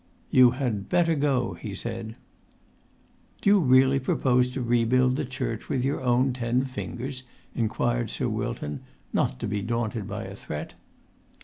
"You had better go," he said. "Do you really propose to rebuild the church with your own ten fingers?" inquired Sir Wilton, not to be daunted by a threat.